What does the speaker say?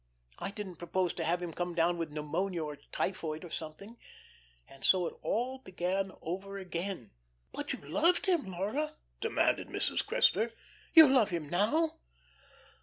I didn't propose to have him come down with pneumonia, or typhoid, or something. And so it all began over again." "But you loved him, Laura?" demanded Mrs. Cressler. "You love him now?"